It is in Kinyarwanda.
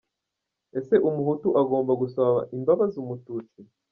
Ese umuhutu agomba gusaba imbabazi umututsi?.